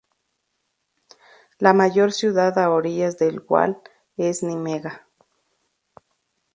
La mayor ciudad a orillas del Waal es Nimega.